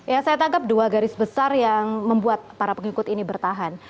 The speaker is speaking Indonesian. ya saya tangkap dua garis besar yang membuat para pengikut ini bertahan